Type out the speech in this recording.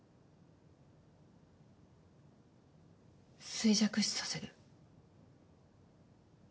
衰弱死させる。